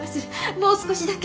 もう少しだけ。